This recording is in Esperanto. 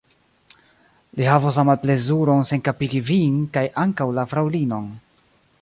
Li havos la malplezuron senkapigi vin, kaj ankaŭ la fraŭlinon.